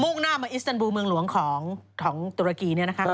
่งหน้ามาอิสเตนบูลเมืองหลวงของตุรกีเนี่ยนะคะ